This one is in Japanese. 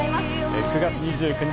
９月２９日